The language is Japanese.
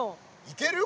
いける？